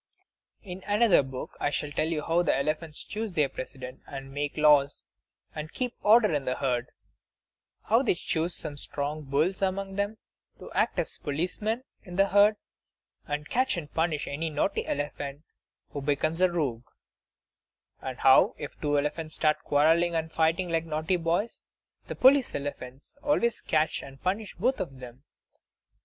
In another book I shall tell you how the elephants choose their President, and make laws, and keep order in the herd; how they choose some strong bulls among them to act as policemen in the herd, and catch and punish any naughty elephant who becomes a rogue; and how, if two elephants start quarrelling and fighting like naughty boys, the police elephants have to catch and punish both of them.